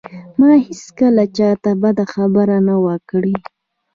ما هېڅکله چاته بده خبره نه وه کړې